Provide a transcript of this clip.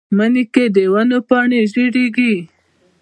مني کې د ونو پاڼې رژېږي